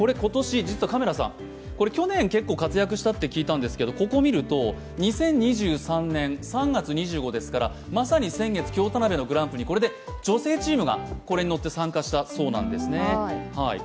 これ、去年、結構活躍したって聞いたんですけどここを見ると２０２３年３月２５ですからまさに先月、京田辺のグランプリに女性チームがこれに乗って参加したそうです。